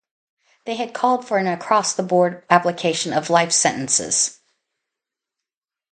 The had called for an across the board application of life sentences.